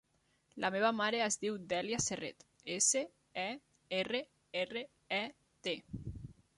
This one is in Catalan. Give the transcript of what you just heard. La meva mare es diu Dèlia Serret: essa, e, erra, erra, e, te.